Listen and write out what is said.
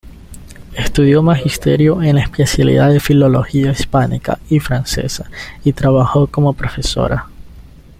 Estudió Magisterio en la especialidad de Filología hispánica y francesa y trabajó como profesora.